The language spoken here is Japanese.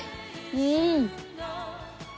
うん！